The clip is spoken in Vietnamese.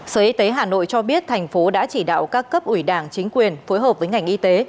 sở y tế hà nội cho biết thành phố đã chỉ đạo các cấp ủy đảng chính quyền phối hợp với ngành y tế